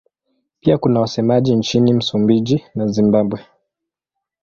Pia kuna wasemaji nchini Msumbiji na Zimbabwe.